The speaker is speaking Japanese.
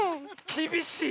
きびしい！